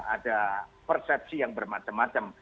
ada persepsi yang bermacam macam